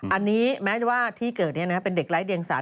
อันนี้แม้ว่าที่เกิดนี้เป็นเด็กไร้เดียงสาร